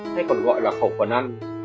thế còn gọi là khẩu phần ăn